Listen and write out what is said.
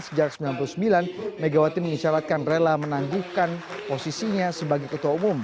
sejak seribu sembilan ratus sembilan puluh sembilan megawati mengisyaratkan rela menangguhkan posisinya sebagai ketua umum